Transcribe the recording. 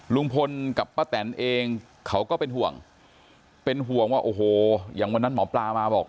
ลุงพลกับป้าแตนเองเขาก็เป็นห่วงเป็นห่วงว่าโอ้โหอย่างวันนั้นหมอปลามาบอก